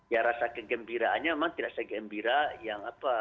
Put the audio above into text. ya rasa kegembiraannya memang tidak segembira yang apa